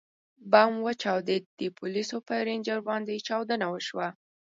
ـ بم وچاودېد، د پولیسو پر رینجر باندې چاودنه وشوه.